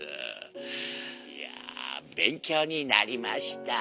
いや勉強になりました」。